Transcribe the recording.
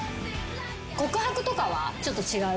告白とかはちょっと違う？